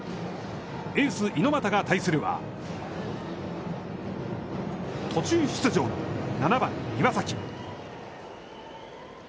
エース猪俣が対するは、途中出場の７番岩崎。